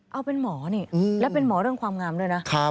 เอาเป็นหมอนี่และเป็นหมอเรื่องความงามด้วยนะ